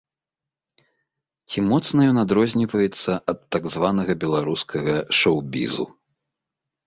Ці моцна ён адрозніваецца ад так званага беларускага шоў-бізу?